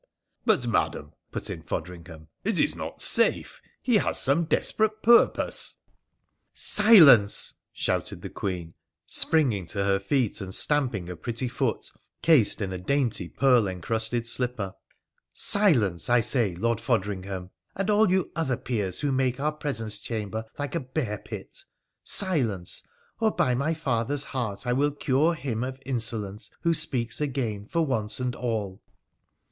' But, Madam,' put in Fodringham, ' it is not safe — he has some desperate purpose '' Silence !' shouted the Queen, springing to her feet and stamping a pretty foot, cased in a dainty pearl encrusted slipper —' silence, I say, Lord Fodringham, and all you other peers who make our presence chamber like a bear pit : silence ! or by my father's heart I will cure him of insolence who speaks again for once and all.'